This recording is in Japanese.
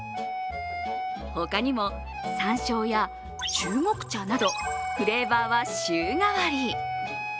他にも、さんしょうや中国茶などフレーバーは週替わり。